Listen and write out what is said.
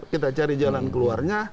kita cari jalan keluarnya